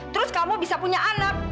terus kamu bisa punya anak